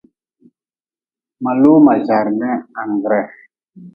Ma joo ma jardin anggree.